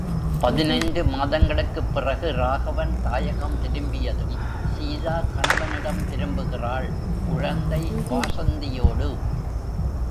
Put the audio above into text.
பதினைந்து மாதங்களுக்குப் பிறகு ராகவன் தாயகம் திரும்பியதும், சீதா கணவனிடம் திரும்புகிறாள், குழந்தை வாஸந்தியோடு.